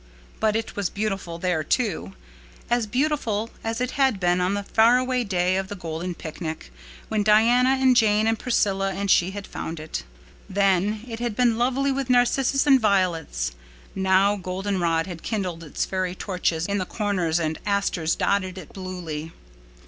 But it was beautiful there, too—as beautiful as it had been on the faraway day of the Golden Picnic, when Diana and Jane and Priscilla and she had found it. Then it had been lovely with narcissus and violets; now golden rod had kindled its fairy torches in the corners and asters dotted it bluely.